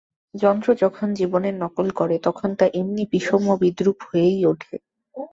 যন্ত্র যখন জীবনের নকল করে তখন তা এমনি বিষম বিদ্রূপ হয়েই ওঠে।